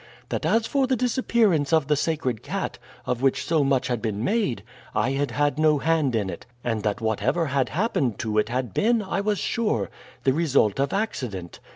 That as for the disappearance of the sacred cat, of which so much had been made, I had had no hand in it, and that whatever had happened to it had been, I was sure, the result of accident.